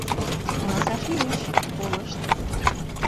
Каласаш лиеш, колышт.